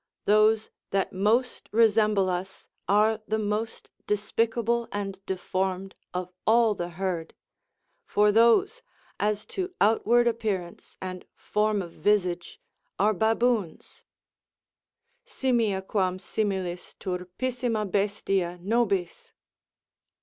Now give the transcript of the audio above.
Those that most resemble us are the most despicable and deformed of all the herd; for those, as to outward appearance and form of visage, are baboons: Simia quam similis, turpissima bestia, nobis?